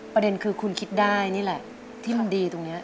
ประเด็นคือคุณคิดได้นี่แหละที่มันดีตรงนี้